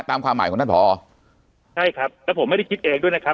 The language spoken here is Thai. ความหมายของท่านผอใช่ครับแล้วผมไม่ได้คิดเองด้วยนะครับ